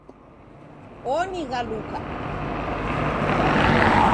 Onighaluka